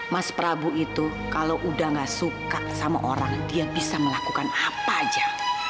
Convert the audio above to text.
mas prabu itu kalau udah gak suka sama orang dia bisa melakukan apa aja